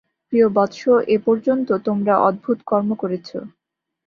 প্রিয় বৎস, এ পর্যন্ত তোমরা অদ্ভুত কর্ম করেছ।